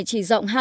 căn phòng này